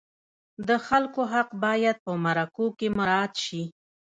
د خلکو حق باید په مرکو کې مراعت شي.